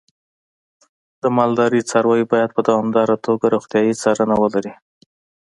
د مالدارۍ څاروی باید په دوامداره توګه روغتیايي څارنه ولري.